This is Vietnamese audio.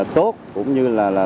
tốt cũng như là